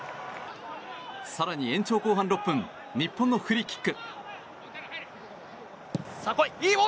更に延長後半６分日本のフリーキック。